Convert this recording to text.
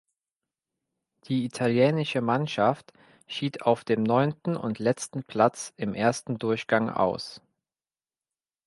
Die italienische Mannschaft schied auf dem neunten und letzten Platz im ersten Durchgang aus.